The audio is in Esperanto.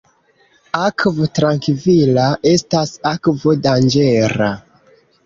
Akvo trankvila estas akvo danĝera.